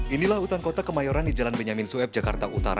inilah hutan kota kemayoran di jalan benyamin sueb jakarta utara